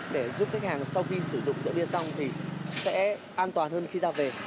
để giúp khách hàng sau khi sử dụng rượu bia xong thì sẽ an toàn hơn khi ra về